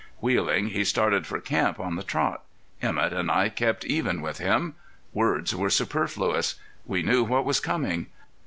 Wheeling, he started for camp on the trot. Emett and I kept even with him. Words were superfluous. We knew what was coming.